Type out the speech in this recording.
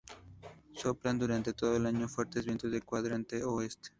Soplan durante todo el año fuertes vientos del cuadrante oeste.